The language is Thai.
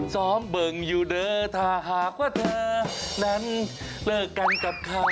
ซ้อมเบิ่งอยู่เด้อถ้าหากว่าเธอนั้นเลิกกันกับเขา